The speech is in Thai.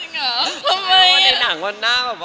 จริงหรอทำไม